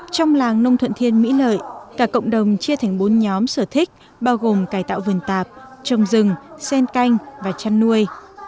trong làng nông thuận thiên mỹ lợi cả cộng đồng chia thành bốn nhóm sở thích bao gồm cài tạo vườn tạp trồng rừng sen canh và chăn nuôi